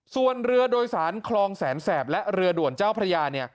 ส่วนเรือโดยสารคลองแสนแสบและเรือด่วนเจ้าพระยา